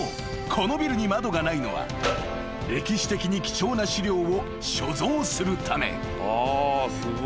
このビルに窓がないのは歴史的に貴重な資料を所蔵するため］